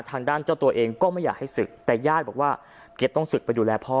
เจ้าตัวเองก็ไม่อยากให้ศึกแต่ญาติบอกว่าแกต้องศึกไปดูแลพ่อ